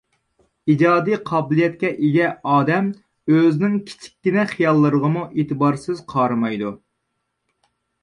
ئىجادىي قابىلىيەتكە ئىگە ئادەم ئۆزىنىڭ كىچىككىنە خىياللىرىغىمۇ ئېتىبارسىز قارىمايدۇ.